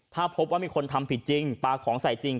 ถ้าพบว่ามีคนทำผิดจริงปลาของใส่จริง